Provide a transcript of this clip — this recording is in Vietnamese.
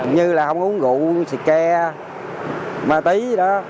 như là không uống rượu xịt ke ma tí